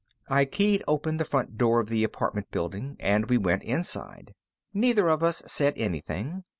I keyed open the front door of the apartment building, and we went inside. Neither of us said anything.